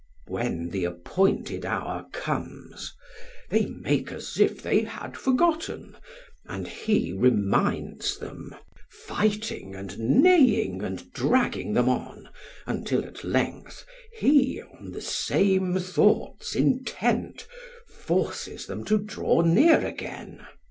When the appointed hour comes, they make as if they had forgotten, and he reminds them, fighting and neighing and dragging them on, until at length he on the same thoughts intent, forces them to draw near again.